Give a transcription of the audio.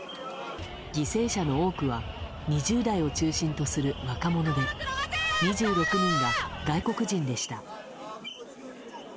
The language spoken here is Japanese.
犠牲者の多くは２０代を中心とする若者で２６人が外国人でした。